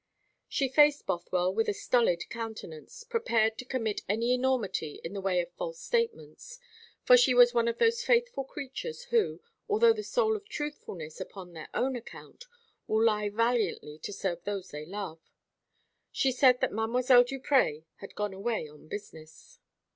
She faced Bothwell with a stolid countenance, prepared to commit any enormity in the way of false statements; for she was one of those faithful creatures who, although the soul of truthfulness upon their own account, will lie valiantly to serve those they love. She said that Mdlle. Duprez had gone away on business.